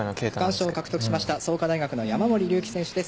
区間賞獲得しました創価大学の山森龍暁選手です。